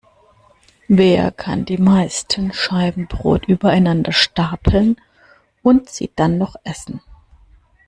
Wer kann die meisten Scheiben Brot übereinander stapeln und sie dann noch essen?